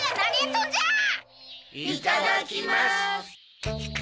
いただきます。